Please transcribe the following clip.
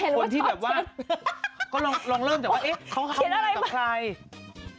คนที่แบบว่าก็ลองเริ่มจากว่าเอ๊ะเขาทำงานกับใครเขียนอะไรมา